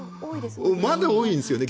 まだ多いんですよね。